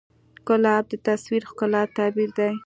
ګلاب د تصور ښکلی تعبیر دی.